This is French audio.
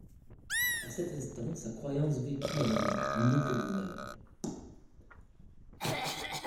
A cet instant, sa croyance vécut en lui, mieux que lui-même.